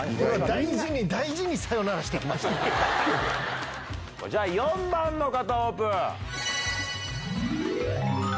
大事に大事にさよならしてきじゃあ、４番の方オープン。